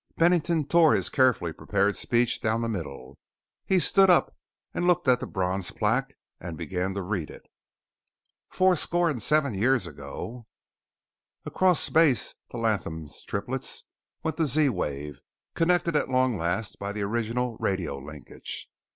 Bennington tore his carefully prepared speech down the middle. He stood up and looked at the bronze plaque, and began to read it: "Fourscore and seven years ago " Across space to Latham's Triplets went the Z wave, connected at long last by the original Radio Linkage.